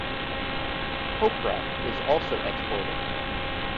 Copra is also exported.